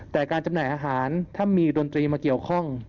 แต่การจำหน่ายอาหารถ้ามีดนตรีมาเกี่ยวข้อง